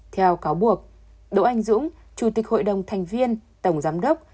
theo cáo buộc đỗ anh dũng chủ tịch hội đồng thành viên tổng giám đốc